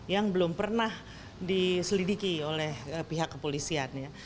yang belum pernah diselidiki oleh pihak kepolisian ya